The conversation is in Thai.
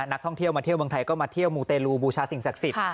นักท่องเที่ยวมาเที่ยวเมืองไทยก็มาเที่ยวมูเตลูบูชาสิ่งศักดิ์สิทธิ์